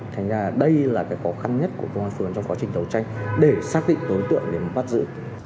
thành ra đây là cái khó khăn nhất của tổng hợp phường trong quá trình đấu tranh để xác định đối tượng để bắt giữ